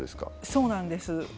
そうなんです。